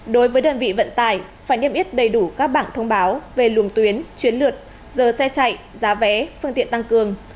đối với đơn vị vận tải phải niêm yết đầy đủ các bảng thông báo về luồng tuyến chiến lược giờ xe chạy giá vé phương tiện tăng cường